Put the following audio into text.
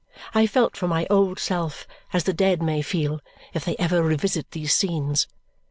I felt for my old self as the dead may feel if they ever revisit these scenes.